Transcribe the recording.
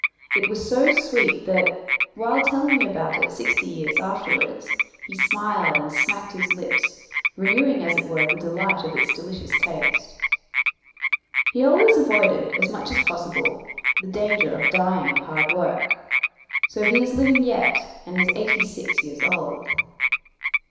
it was so sweet that, while telling me about it sixty years afterwards, he smiled and smacked his lips, renewing as it were the delight of its delicious taste. He always avoided, as much as possible, the danger of dying of hard work, so he is living yet, and is eighty six years old.